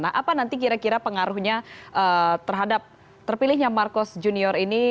nah apa nanti kira kira pengaruhnya terhadap terpilihnya marcos junior ini